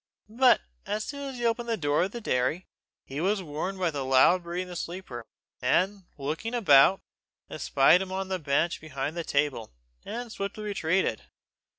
But as soon as he opened the door of the dairy, he was warned by the loud breathing of the sleeper, and looking about, espied him on the bench behind the table, and swiftly retreated.